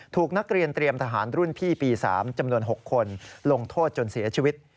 ถูกนักเรียนเตรียมทหารรุ่นพี่ปี๓จำนวน๖คนลงโทษจนเสียชีวิต